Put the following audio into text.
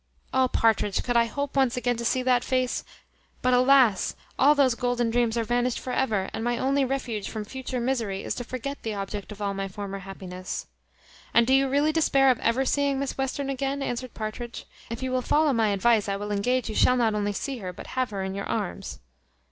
O Partridge! could I hope once again to see that face; but, alas! all those golden dreams are vanished for ever, and my only refuge from future misery is to forget the object of all my former happiness." "And do you really despair of ever seeing Miss Western again?" answered Partridge; "if you will follow my advice I will engage you shall not only see her but have her in your arms."